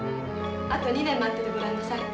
あと２年待っててごらんなさい。